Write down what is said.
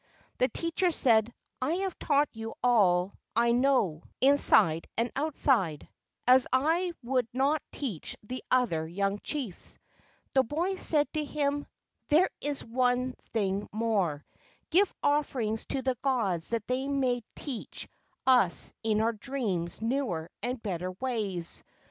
The teacher said, "I have taught you all I know 206 LEGENDS OF GHOSTS inside and outside, as I would not teach the other young chiefs." The boy said to him, " There is one thing more,—give offerings to the gods that they may teach us in our dreams newer and better ways."